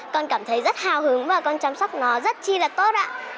con cảm thấy rất hào hứng và con chăm sóc nó rất chi là tốt ạ